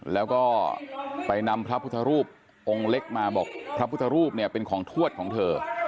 แล้วก็ไปนำพระพุทธรูปองค์เล็กมาบอกพระพุทธรูปเนี่ยเป็นของทวดของเธอ